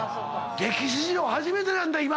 歴史上初めてなんだ今！